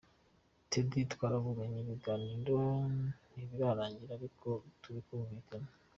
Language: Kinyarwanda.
Tardy twaravuganye, ibiganiro ntibirarangira ariko turikumvikana.